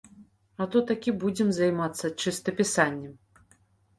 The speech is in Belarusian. А то так і будзем займацца чыстапісаннем.